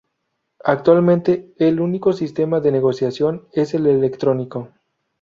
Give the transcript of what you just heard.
Actualmente, el único sistema de negociación es el electrónico.